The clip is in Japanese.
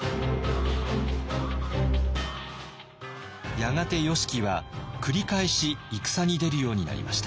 やがて義材は繰り返し戦に出るようになりました。